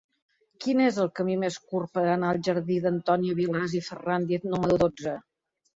Quin és el camí més curt per anar al jardí d'Antònia Vilàs i Ferràndiz número dotze?